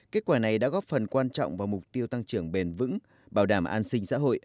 kết quả này đã góp phần quan trọng vào mục tiêu tăng trưởng bền vững bảo đảm an sinh xã hội